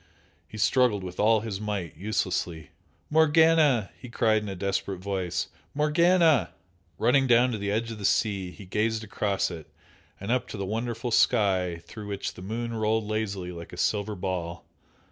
He struggled with all his might, uselessly. "Morganna!" he cried in a desperate voice "Morganna!" Running down to the edge of the sea he gazed across it and up to the wonderful sky through which the moon rolled lazily like a silver ball.